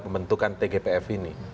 pembentukan tgpf ini